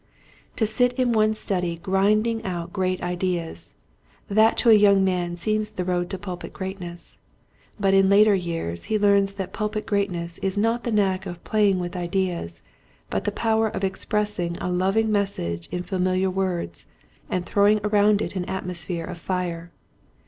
To sit in one's study grinding out great ideas, that to a young man seems the road to pulpit greatness ; but in later years he learns that pulpit greatness is not the knack of playing with ideas but the power of expressing a loving message in familiar words and throwing around it an atmos phere of fire.